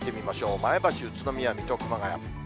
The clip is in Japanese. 前橋、宇都宮、水戸、熊谷。